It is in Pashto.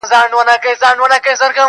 خو ډوډۍ یې له هر چا څخه تنها وه-